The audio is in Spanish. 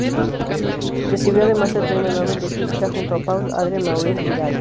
Recibió además el Premio Nobel de Física junto a Paul Adrien Maurice Dirac.